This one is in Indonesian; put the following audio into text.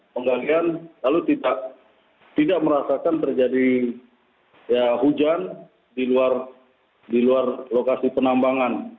penggalian lalu tidak merasakan terjadi hujan di luar lokasi penambangan